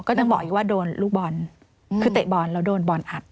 ยังบอกอีกว่าโดนลูกบอลคือเตะบอลแล้วโดนบอลอัด